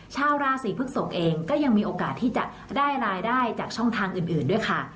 ชาวราศีพฤกษกเองก็ยังมีโอกาสที่จะได้รายได้จากช่องทางอื่นด้วยค่ะ